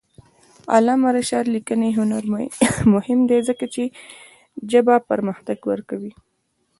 د علامه رشاد لیکنی هنر مهم دی ځکه چې ژبه پرمختګ ورکوي.